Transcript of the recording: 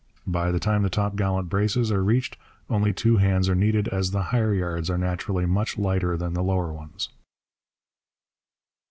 By the time the topgallant braces are reached only two hands are needed, as the higher yards are naturally much lighter than the lower ones.